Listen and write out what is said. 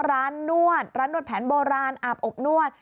รัดหนดแผนโบราณอาบอบนวด